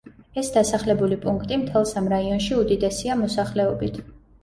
ეს დასახლებული პუნქტი, მთელს ამ რაიონში უდიდესია მოსახლეობით.